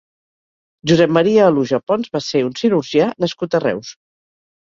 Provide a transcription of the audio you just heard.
Josep Maria Aluja Pons va ser un cirurgià nascut a Reus.